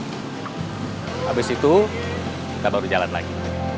habis itu kita baru jalan lagi